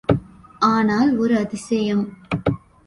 ஆனால் ஓர் அதிசயம்!